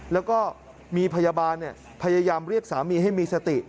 แล้วก็มีพยาบาลพยายามเรียกสามีให้มีสติ